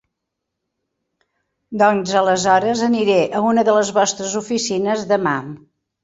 Doncs aleshores aniré a una de les vostres oficines demà.